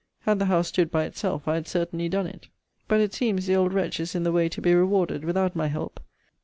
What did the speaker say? Had the house stood by itself, I had certainly done it. But, it seems, the old wretch is in the way to be rewarded, without my help.